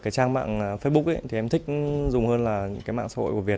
trang mạng facebook thì em thích dùng hơn là cái mạng xã hội của việt